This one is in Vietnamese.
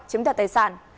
chiếm đoạt tài sản